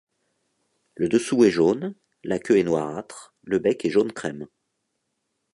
Le dessous est jaune, la queue est noirâtre, le bec est jaune crème.